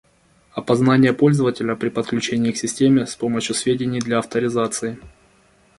Опознание пользователя при подключении к системе с помощью сведений для авторизации